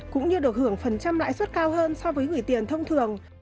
cũng như được hưởng phần trăm lãi suất cao hơn so với gửi tiền thông thường